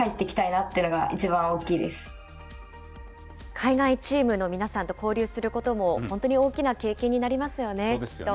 海外チームの皆さんと交流することも本当に大きな経験になりそうですよね。